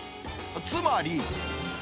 つまり。